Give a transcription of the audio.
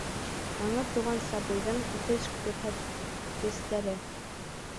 Яңы тыуған сабыйҙың үҫеш күрһәткестәре